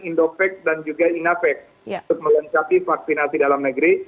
indovac dan juga inafec untuk melengkapi vaksinasi dalam negeri